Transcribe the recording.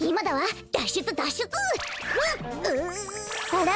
あら？